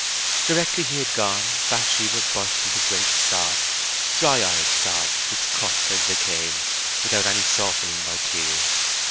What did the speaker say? Directly he had gone, Bathsheba burst into great sobs—dry eyed sobs, which cut as they came, without any softening by tears.